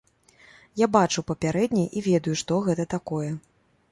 Я бачыў папярэднія і ведаю, што гэта такое.